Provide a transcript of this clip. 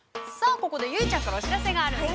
ここで、結実ちゃんからお知らせがあるんですね。